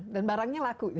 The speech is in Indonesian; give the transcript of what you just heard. dan barangnya laku